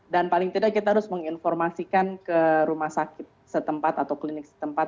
dan paling tidak kita harus menginformasikan ke rumah sakit setempat atau klinik setempat